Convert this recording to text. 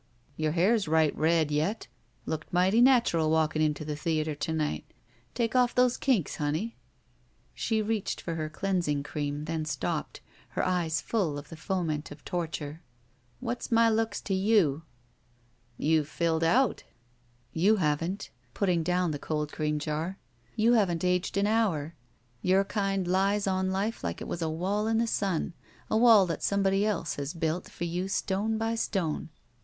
"Your hair's right red yet. Looked mighty natural walkin' into the theater to night. Take off those kinks, honey." She reached for her cleansing cream, then stopped, her eyes full of the foment of torture. "What's my looks to you?" "You've filled out." XS9 it' if THE SMUDGE "You haven't," she said, putting down the cold cream jar. You haven't aged an hour. Your kind lies on life like it was a wall in the sun. A wall that somebody else has built for you stone by stone."